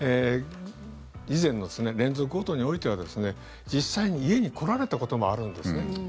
以前の連続強盗においては実際に家に来られたこともあるんですね。